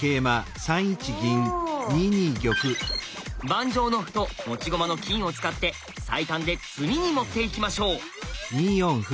盤上の歩と持ち駒の金を使って最短で詰みに持っていきましょう！